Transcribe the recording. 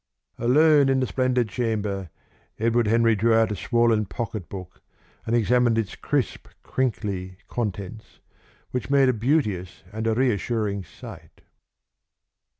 Alone in the splendid chamber, Edward Henry drew out a swollen pocketbook and examined its crisp, crinkly contents, which made a beauteous and a reassuring sight.